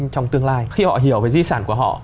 trong tương lai khi họ hiểu về di sản của họ